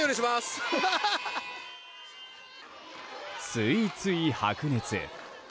ついつい白熱。